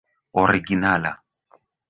originala